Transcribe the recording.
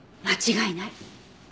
間違いない。